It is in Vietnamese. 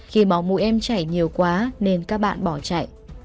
khi máu mũi em chảy nhiều quá nên các bạn bỏ chạy